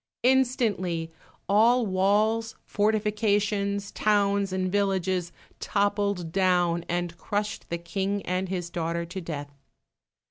Instantly all walls, fortifications, towns, and villages, toppled down, and crushed the King and his daughter to death.